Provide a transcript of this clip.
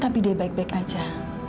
tapi dia baik baik aja